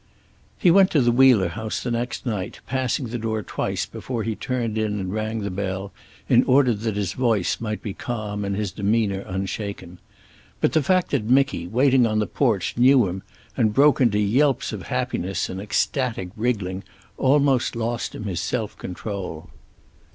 He went to the Wheeler house the next night, passing the door twice before he turned in and rang the bell, in order that his voice might be calm and his demeanor unshaken. But the fact that Micky, waiting on the porch, knew him and broke into yelps of happiness and ecstatic wriggling almost lost him his self control.